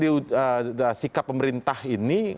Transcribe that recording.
kan di sikap pemerintah ini